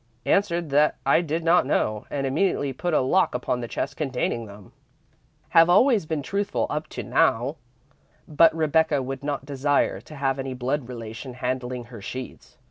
Answered that I did not know, and immediately put a lock upon the chest containing them. Have always been truthful up to now, but Rebecca would not desire to have any blood relation handling her sheets.